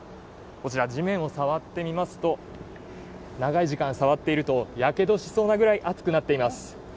こちら、地面を触ってみますと、長い時間触っているとやけどしそうなぐらい熱くなっています。